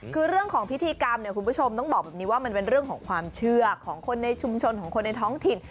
คือเรื่องของพิธีกรรมเนี่ยคุณผู้ชมต้องบอกแบบนี้ว่ามันเป็นเรื่องของความเชื่อของคนในชุมชนของคนในท้องถิ่น